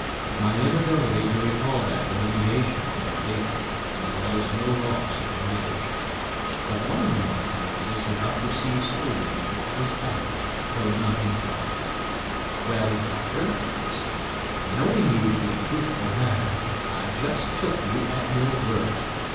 My inability to recall that delineation, verbatim, entails no loss on literature. But one remark made as the doctor seized hold of me was apt, though not impromptu. "Well, doctor," I said, "knowing you to be a truthful man, I just took you at your word."